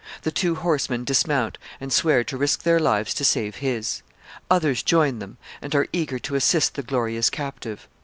The two horsemen dismount, and swear to risk their lives to save his. Others join them, and are eager to assist the glorious captive.